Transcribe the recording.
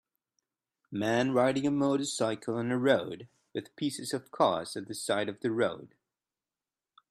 Man riding a motorcycle on a road with pieces of cars on the side of the road.